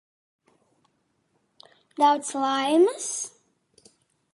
Daudz laimes?